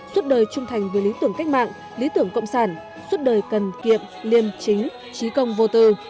suốt đời trung thành về lý tưởng cách mạng lý tưởng cộng sản suốt đời cần kiệm liêm chính trí công vô tư